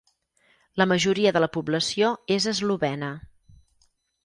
La majoria de la població és eslovena.